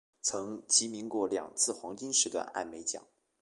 曾提名过两次黄金时段艾美奖。